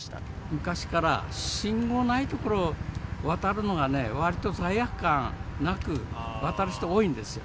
昔から信号ないところ渡るのが割と罪悪感なく渡る人多いんですよ。